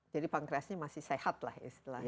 jadi pankreasnya masih sehat lah istilahnya